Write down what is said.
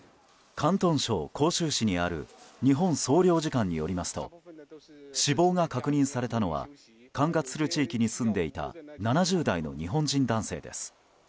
広東省広州市にある日本総領事館によりますと死亡が確認されたのは管轄する地域に住んでいた７０代の日本人男性です。